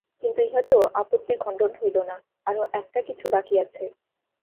কিন্তু ইহাতেও আপত্তির খণ্ডন হইল না, আরো-একটা কিছু বাকি আছে।